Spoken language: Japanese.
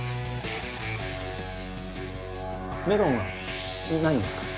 メロンはないんですか？